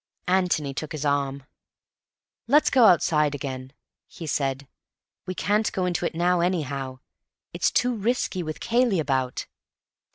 Antony took his arm. "Let's go outside again," he said. "We can't go into it now, anyhow. It's too risky, with Cayley about.